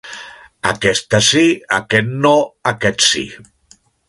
Aquesta sí, aquest no, aquest sí.